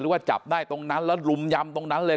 ว่าจับได้ตรงนั้นแล้วรุมยำตรงนั้นเลย